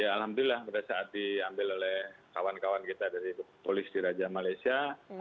alhamdulillah pada saat diambil oleh kawan kawan kita dari polisi raja malaysia